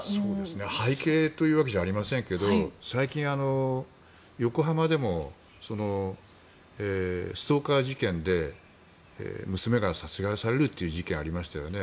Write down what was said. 背景というわけじゃありませんけど最近、横浜でもストーカー事件で娘が殺害されるという事件ありましたよね。